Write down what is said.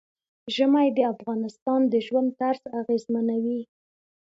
ژمی د افغانانو د ژوند طرز اغېزمنوي.